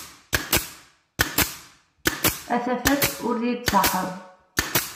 A tafat ur d i-d-tṣaḥeḍ.